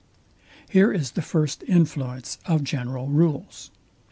Here is the first influence of general rules.